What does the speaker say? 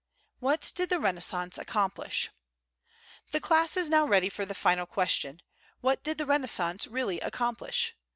What Did the Renaissance Accomplish? The class is now ready for the final question, "What did the Renaissance really accomplish?"